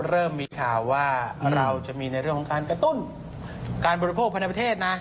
เริ่มมีข่าวว่าเราจะมีในเรื่องของการกระตุ้นการบริโภคภายในประเทศนะ